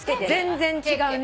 全然違うね。